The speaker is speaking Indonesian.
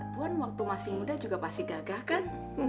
puan waktu masih muda juga pasti gagah kan